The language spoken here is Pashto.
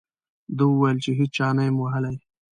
ده وویل چې هېچا نه یم ووهلی.